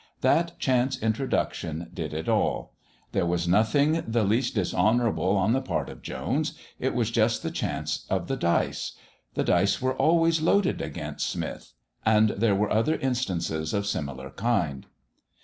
That chance introduction did it all. There was nothing the least dishonourable on the part of Jones it was just the chance of the dice. The dice were always loaded against Smith and there were other instances of similar kind.